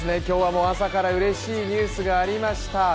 今日はもう、朝からうれしいニュースがありました。